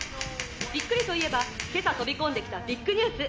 「びっくりといえば今朝飛び込んできたビッグニュース」